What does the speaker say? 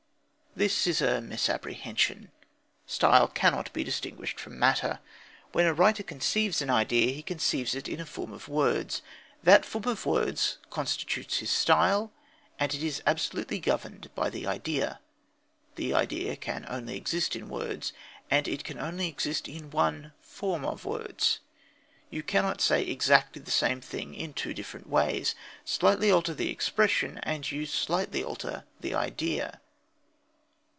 This is a misapprehension. Style cannot be distinguished from matter. When a writer conceives an idea he conceives it in a form of words. That form of words constitutes his style, and it is absolutely governed by the idea. The idea can only exist in words, and it can only exist in one form of words. You cannot say exactly the same thing in two different ways. Slightly alter the expression, and you slightly alter the idea.